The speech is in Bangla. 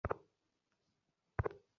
কী যে করে না!